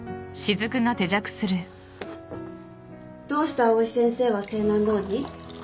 どうして藍井先生は青南ローに？